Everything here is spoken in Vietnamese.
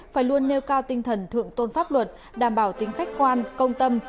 phải luôn nêu cao tinh thần thượng tôn pháp luật đảm bảo tính khách quan công tâm